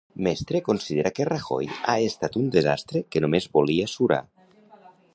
Mestre considera que Rajoy "ha estat un desastre que només volia surar".